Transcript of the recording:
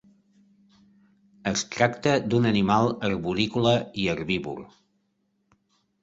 Es tracta d'un animal arborícola i herbívor.